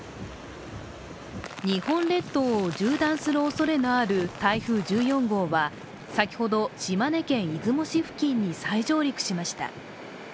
日本列島を縦断するおそれのある台風１４号は先ほど、島根県出雲市付近に、再上陸しました。